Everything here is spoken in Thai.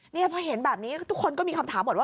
นี่พอเห็นแบบนี้ทุกคนก็มีคำถามหมดว่า